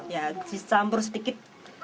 ya dicampur sedikit